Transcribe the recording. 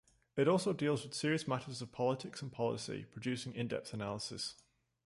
It also deals with serious matters of politics and policy, producing in depth analysis.